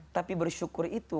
tapi bersyukur itu